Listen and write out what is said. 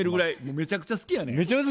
めちゃめちゃ好きやん。